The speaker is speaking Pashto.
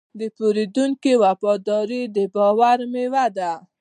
د پیرودونکي وفاداري د باور میوه ده.